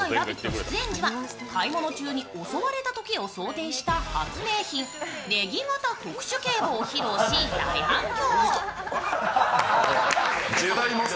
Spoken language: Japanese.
出演時は買い物中に襲われたときを想定した発明品、ネギ型特殊警棒を披露し、大反響。